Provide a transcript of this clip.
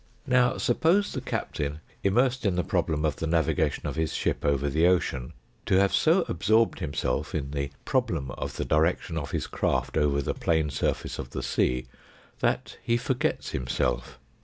Now suppose the captain immersed in the problem of the navigation of his ship over the ocean, to have so absorbed himself in the problem of the direction of his craft over the plane surface of the sea that he forgets himself.